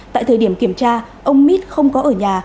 tại thời điểm kiểm tra ông mít không có ở nhà